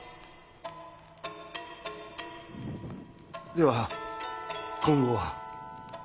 では今後は。